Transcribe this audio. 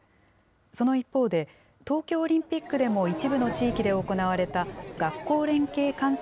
その一方で、東京オリンピックでも一部の地域で行われた、学校連携観戦